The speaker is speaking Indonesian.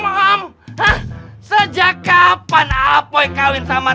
sejak kapan apoi kawin sama